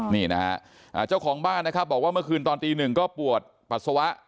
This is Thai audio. นี่นะฮะเจ้าของบ้านนะครับบอกว่าเมื่อคืนตอนตีหนึ่งก็ปวดปัสสาวะ